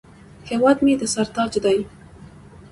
هیواد مې د سر تاج دی